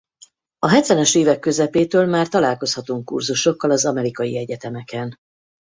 A hetvenes évek közepétől már találkozhatunk kurzusokkal az amerikai egyetemeken.